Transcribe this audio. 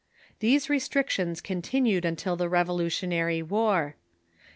These restrictions continued until the Revolu tionary War.